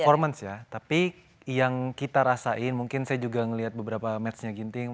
performance ya tapi yang kita rasain mungkin saya juga melihat beberapa matchnya ginting